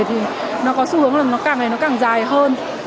thì nó có xu hướng là nó càng ngày nó càng dài hơn